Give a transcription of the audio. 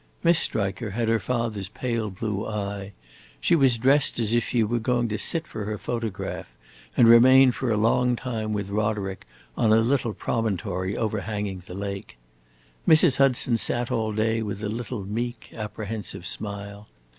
Miss Striker had her father's pale blue eye; she was dressed as if she were going to sit for her photograph, and remained for a long time with Roderick on a little promontory overhanging the lake. Mrs. Hudson sat all day with a little meek, apprehensive smile.